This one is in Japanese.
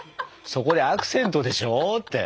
「そこでアクセントでしょ」って。